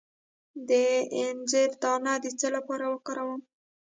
د انځر دانه د څه لپاره وکاروم؟